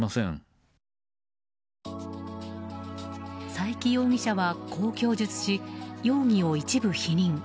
佐伯容疑者はこう供述し容疑を一部否認。